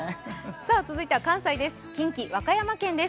続いては関西です。